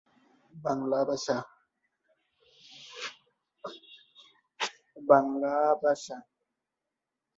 মাদ্রাসার অধ্যক্ষ মীর মুহাম্মদ নুরুল আমিন।